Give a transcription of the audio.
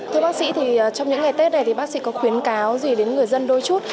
thưa bác sĩ thì trong những ngày tết này thì bác sĩ có khuyến cáo gì đến người dân đôi chút